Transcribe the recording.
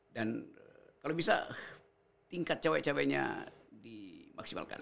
dan kalau bisa tingkat cewek ceweknya dimaksimalkan